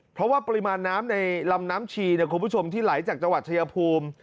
เพราะว่าปริมาณน้ำในลำน้ำชีคุณผู้ชมที่ไหลจากจังหวัดชายภูมิ